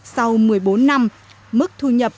sau một mươi bốn năm mức thu nhập